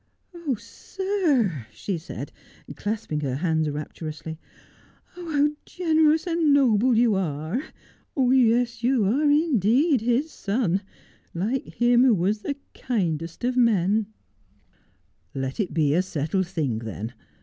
176 Just as I Am. 'Oh, sir,' she said, clasping her hands rapturously, 'how generous and noble you are ! Yes, you are indeed his son — like him who was the kindest of men.' ' Let it be a settled thing, then.